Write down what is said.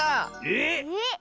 えっ？